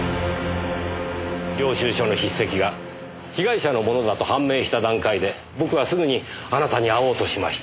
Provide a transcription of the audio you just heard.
領収書の筆跡が被害者のものだと判明した段階で僕はすぐにあなたに会おうとしました。